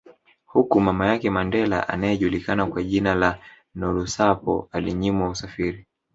Huku mama yake Mandela anaejulikana kwa jina la Nolusapho alinyimwa usafiri